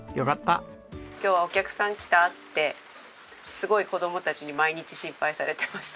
「今日はお客さん来た？」ってすごい子供たちに毎日心配されてました。